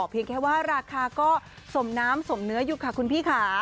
เพียงแค่ว่าราคาก็สมน้ำสมเนื้ออยู่ค่ะคุณพี่ค่ะ